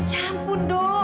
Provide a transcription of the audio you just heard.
ya ampun do